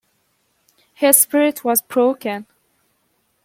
Her spirit was broken.